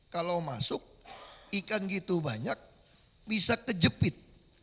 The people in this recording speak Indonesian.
kalau masuk ikan gitu banyak bisa kejepit